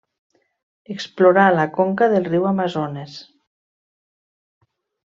Explorà la conca del riu Amazones.